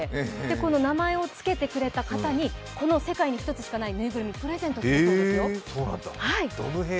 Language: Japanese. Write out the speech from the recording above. この名前をつけてくれた方にこの世界に一つしかない縫いぐるみをプレゼントするそうですよ。